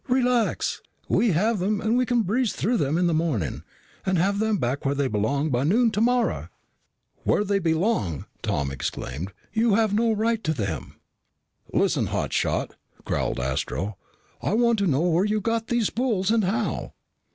"Relax! We have them and we can breeze through them in the morning and have them back where they belong by noon tomorrow." "Where they belong!" Tom exclaimed. "Then you have no right to them." "Listen, hot shot!" growled Astro. "I want to know where you got these spools and how."